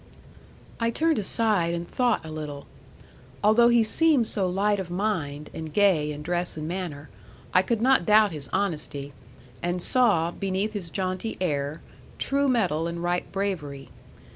'I turned aside, and thought a little. Although he seemed so light of mind, and gay in dress and manner, I could not doubt his honesty; and saw, beneath his jaunty air, true mettle and ripe bravery.